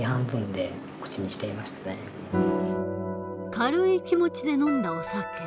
軽い気持ちで飲んだお酒。